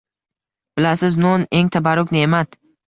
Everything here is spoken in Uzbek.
Bilasiz: non eng tabarruk ne’mat.